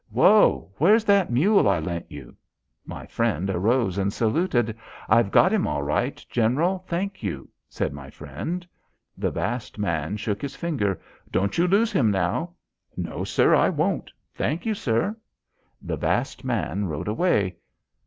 "Whoa! Where's that mule I lent you?" My friend arose and saluted. "I've got him all right, General, thank you," said my friend. The vast man shook his finger. "Don't you lose him now." "No, sir, I won't; thank you, sir." The vast man rode away.